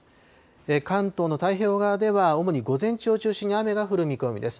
関東の太平洋側では主に午前中を中心に雨が降る見込みです。